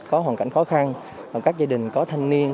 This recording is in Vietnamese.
có hoàn cảnh khó khăn các gia đình có thanh niên